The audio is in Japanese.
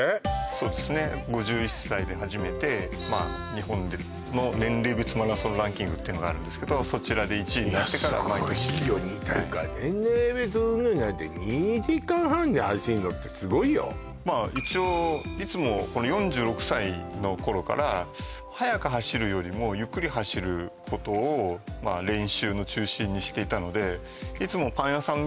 そうですね５１歳で初めて日本の年齢別マラソンランキングっていうのがあるんですけどそちらで１位になってから毎年いやすごいよ年齢別うんぬんじゃなくて一応いつも４６歳の頃から速く走るよりもゆっくり走ることを練習の中心にしていたのでいつもパン屋さん